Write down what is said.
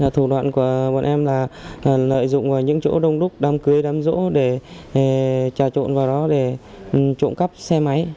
thủ đoạn của bọn em là lợi dụng vào những chỗ đông đúc đám cưới đám rỗ để trà trộn vào đó để trộm cắp xe máy